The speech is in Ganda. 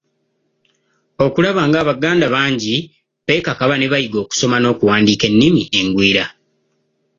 Okulaba ng'Abaganda bangi beekakaba ne bayiga okusoma n’okuwandiika ennimi engwira.